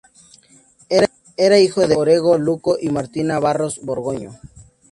Era hijo de Augusto Orrego Luco y Martina Barros Borgoño.